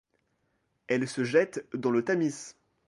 Elle se jette dans le Tamiš.